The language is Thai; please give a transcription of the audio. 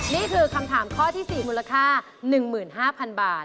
นี่คือคำถามข้อที่๔มูลค่า๑๕๐๐๐บาท